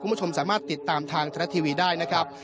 คุณผู้ชมสามารถติดตามทางทรัฐทีวีได้นะครับ